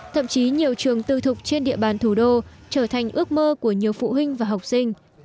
thậm chí nhiều trường tư thục trên địa bàn thủ đô trở thành ước mơ của nhiều phụ huynh và học sinh